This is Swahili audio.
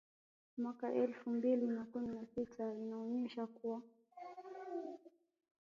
mwaka elfu mbili na kumi na sita inaonyesha kuwa